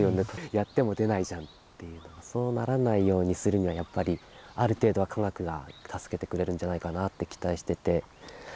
やっても出ないじゃんっていうとかそうならないようにするにはやっぱりある程度は科学が助けてくれるんじゃないかなって期待してて。